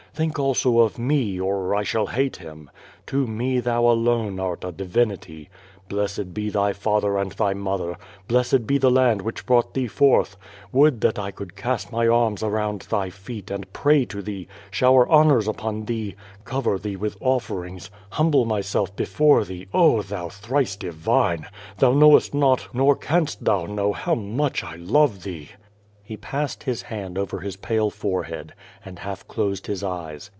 Think also of me, or 1 shall hate Him. To me thou alone art a divinity. lUessed be thy father and thy motiier, blessed be the land which brought thee forth. Would that 1 could cast my arms around thy feet and prcay to thee, shower honors upon thee, cover thee with oifcrings, humble myself before thee, oh, thou thrice divine! Thou knowest not, nor canst thou know, how much I love thee!" He passed his hand over his pale forehead, and half closed his eyes.